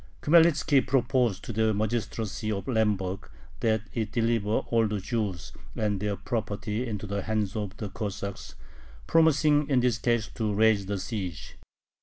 Khmelnitzki proposed to the magistracy of Lemberg, that it deliver all the Jews and their property into the hands of the Cossacks, promising in this case to raise the siege.